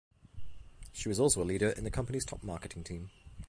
She was also a leader in the company's top marketing team.